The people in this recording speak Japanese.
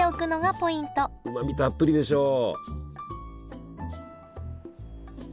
うまみたっぷりでしょう。